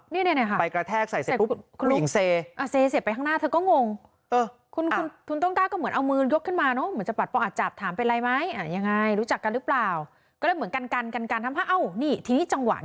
ในนี่ไงไปกระแทกใส่เขาก่อน